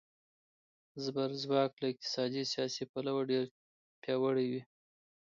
زبرځواک له اقتصادي، سیاسي پلوه ډېر پیاوړي وي.